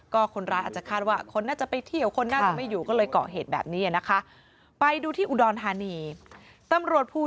ก็คนร้ายอาจจะคาดว่าคนน่าจะไปเที่ยวคนน่าจะไม่อยู่